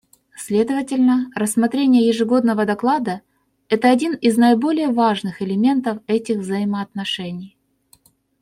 Следовательно, рассмотрение ежегодного доклада — это один из наиболее важных элементов этих взаимоотношений.